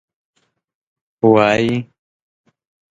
وایي.